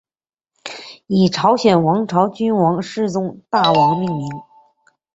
以朝鲜王朝君王世宗大王命名。